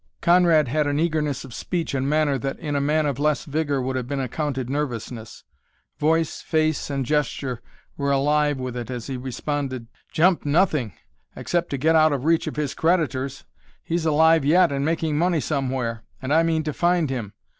Conrad had an eagerness of speech and manner that in a man of less vigor would have been accounted nervousness. Voice, face, and gesture were alive with it as he responded: "Jump nothing! except to get out of reach of his creditors! He's alive yet and making money somewhere, and I mean to find him!